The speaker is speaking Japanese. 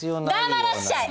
黙らっしゃい！